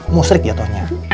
musrik ya tohnya